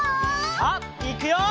さあいくよ！